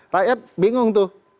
rakyat bingung tuh